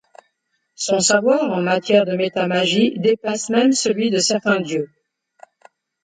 Son savoir en matière de méta-magie dépasse même celui de certains dieux.